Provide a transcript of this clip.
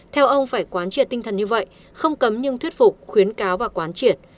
theo ông phải quán triệt tinh thần như vậy không cấm nhưng thuyết phục khuyến cáo và quán triệt